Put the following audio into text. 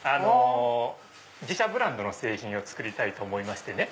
自社ブランドの製品を作りたいと思いましてね。